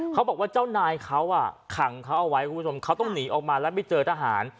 เขาบอกว่าเจ้านายเขาขังเขาเอาไว้คุณผู้ชมเขาต้องหนีออกมาแล้วไม่เจอทหาร